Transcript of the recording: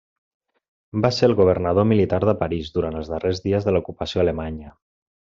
Va ser el governador militar de París durant els darrers dies de l'ocupació alemanya.